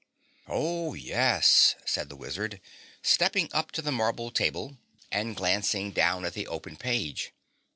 "Oh, yes," said the wizard, stepping up to the marble table and glancing down at the open page.